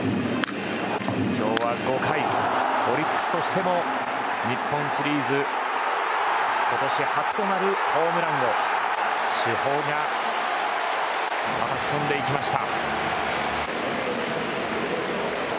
今日は５回、オリックスとしても日本シリーズ今年初となるホームランを主砲がたたき込んでいきました。